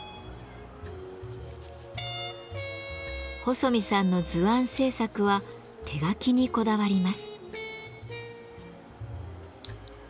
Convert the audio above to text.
細見さんの図案制作は手描きにこだわります。